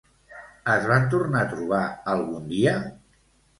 Es van tornar a trobar algun dia?